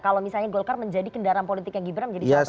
kalau misalnya golkar menjadi kendaraan politiknya gibran menjadi cawapres